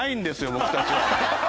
僕たちは。